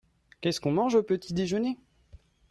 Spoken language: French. Qu'est-ce qu'on mange au petit-déjeuner ?